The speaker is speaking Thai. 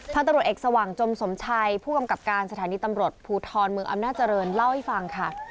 ตำรวจเอกสว่างจมสมชัยผู้กำกับการสถานีตำรวจภูทรเมืองอำนาจริงเล่าให้ฟังค่ะ